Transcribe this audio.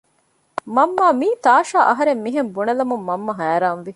މަންމާ މީ ތާޝާ އަހަރެން މިހެން ބުނެލުމުން މަންމަ ހައިރާންވި